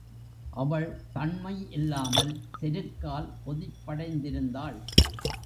அவள் தண்மை இல்லாமல் செருக்கால் கொதிப்படைந்திருந்தாள்.